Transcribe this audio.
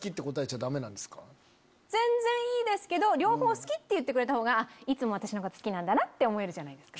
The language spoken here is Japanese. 全然いいですけど両方好きって言ってくれたほうがいつも私のこと好きなんだなって思えるじゃないですか。